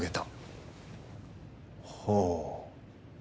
ほう。